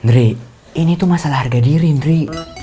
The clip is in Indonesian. ndri ini tuh masalah harga diri ndri